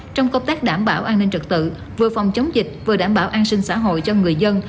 trong công tác đảm bảo an ninh trật tự vừa phòng chống dịch vừa đảm bảo an sinh xã hội cho người dân